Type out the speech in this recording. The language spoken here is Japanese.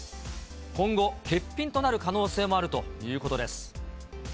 今後、欠品となる可能性もあるということです。